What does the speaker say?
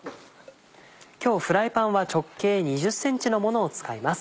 今日フライパンは直径２０ｃｍのものを使います。